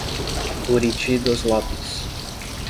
Buriti dos Lopes